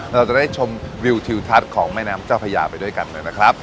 เราจะได้ชมวิวทิวทัศน์ของแม่น้ำเจ้าพญาไปด้วยกันเลยนะครับ